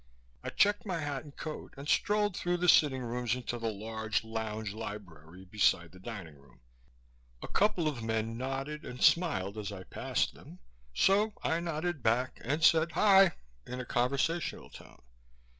I checked my hat and coat and strolled through the sitting rooms into the large lounge library beside the dining room. A couple of men nodded and smiled as I passed them, so I nodded back and said, "Hi!" in a conversational tone.